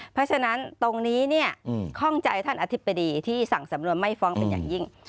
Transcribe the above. เพราะฉะนั้นตรงนี้เนี่ยข้องใจท่านอธิบดีที่สั่งสำนวนไม่ฟ้องเป็นอย่างยิ่ง